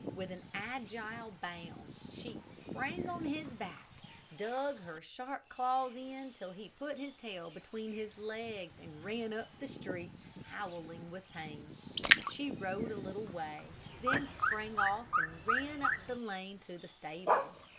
With an agile bound she sprang on his back, dug her sharp claws in, till he put his tail between his legs and ran up the street, howling with pain. She rode a little way, then sprang off and ran up the lane to the stable.